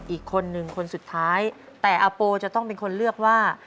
อีกคนนึงคนสุดท้ายแต่อาโปจะต้องเป็นคนเลือกว่า